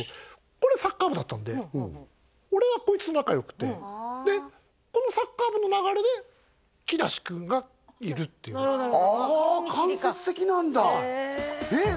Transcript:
これサッカー部だったんで俺はこいつと仲良くてでこのサッカー部の流れで木梨君がいるっていうなるほどなるほど顔見知りか間接的なんだえっ